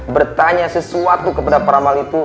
bertanya sesuatu kepada peramal itu